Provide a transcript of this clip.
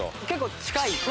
結構近い。